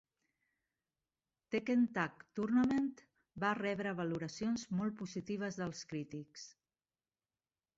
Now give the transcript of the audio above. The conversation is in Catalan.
Tekken Tag Tournament va rebre valoracions molt positives dels crítics.